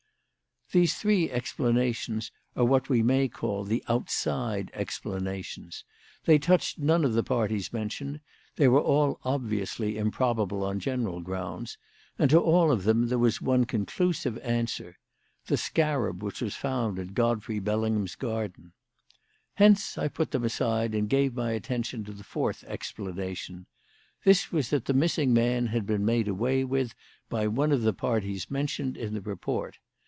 "These three explanations are what we may call the outside explanations. They touched none of the parties mentioned; they were all obviously improbable on general grounds; and to all of them there was one conclusive answer the scarab which was found in Godfrey Bellingham's garden. Hence I put them aside and gave my attention to the fourth explanation. This was that the missing man had been made away with by one of the parties mentioned in the report.